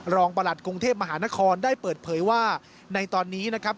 ประหลัดกรุงเทพมหานครได้เปิดเผยว่าในตอนนี้นะครับ